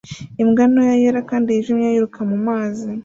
Imbwa ntoya yera kandi yijimye yiruka mumazi